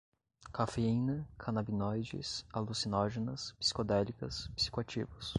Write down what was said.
cafeína, canabinoides, alucinógenas, psicodélicas, psicoativos